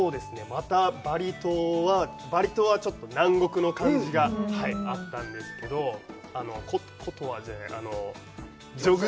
またバリ島はちょっと南国の感じが、はい、あったんですけど、古都は、じゃない、ジョグ